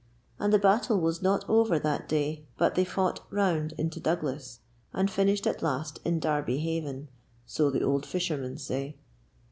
And the battle was not over that day, but they fought round into Douglas, and finished at last in Derby Haven, so the old fishermen say.